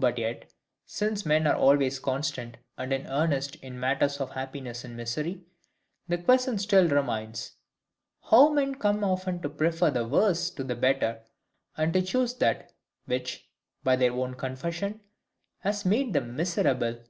But yet, since men are always constant and in earnest in matters of happiness and misery, the question still remains, How men come often to prefer the worse to the better; and to choose that, which, by their own confession, has made them miserable?